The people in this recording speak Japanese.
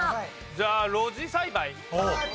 じゃあ露地栽培。